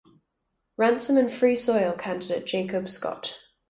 Ransom and Free Soil candidate Jacob Scott.